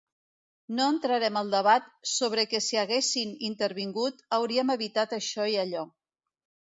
No entrarem al debat sobre que si haguessin intervingut, hauríem evitat això i allò.